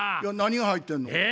何が入ってんの？